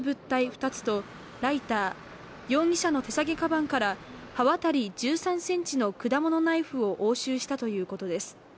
２つとライター、容疑者の手提げかばんから刃渡り１３ｃｍの果物ナイフを押収したということです。